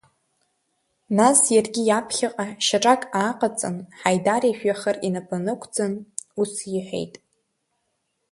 Нас иаргьы иаԥхьаҟа шьаҿак ааҟаҵан, Ҳаидар ижәҩахыр инапы нықәҵан ус иҳәеит.